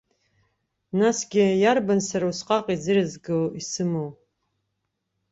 Насгьы, иарбан сара усҟак иӡырызго исымоу?